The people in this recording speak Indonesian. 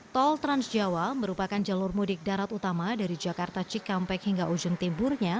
tol transjawa merupakan jalur mudik darat utama dari jakarta cikampek hingga ujung timurnya